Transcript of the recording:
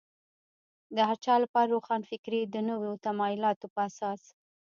د هر چا لپاره روښانفکري د نویو تمایلاتو په اساس.